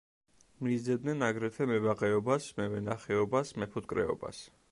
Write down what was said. მისდევდნენ აგრეთვე მებაღეობას, მევენახეობას, მეფუტკრეობას.